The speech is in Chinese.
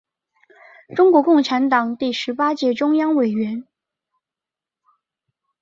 中国共产党第十八届中央委员。